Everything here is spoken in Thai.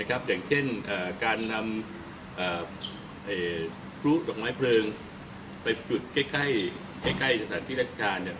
อย่างเช่นการนำพลุดอกไม้เพลิงไปจุดใกล้สถานที่ราชการ